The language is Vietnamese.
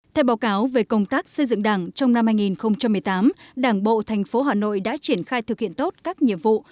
theo báo cáo về công tác xây dựng đảng trong năm hai nghìn một mươi tám đảng bộ thành phố hà nội đã triển khai thực hiện tốt các nhiệm vụ